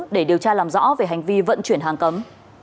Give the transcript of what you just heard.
để điều tra làm rõ về hành vi vận chuyển hàng cấm